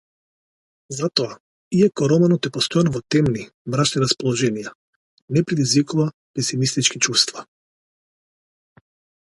Затоа, иако романот е постојано во темни, мрачни расположенија, не предизвикува песимистички чувства.